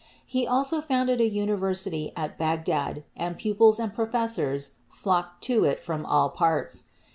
He also founded a university at Bagdad, and pupils and professors flocked to it from all parts.